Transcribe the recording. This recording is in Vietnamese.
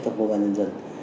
cho công an nhân dân